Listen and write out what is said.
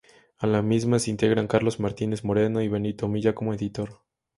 A la misma se integran Carlos Martínez Moreno y Benito Milla como editor.